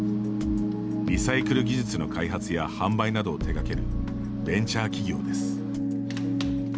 リサイクル技術の開発や販売などを手がけるベンチャー企業です。